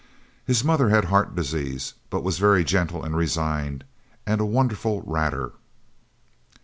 His mother had heart disease but was very gentle and resigned, and a wonderful ratter."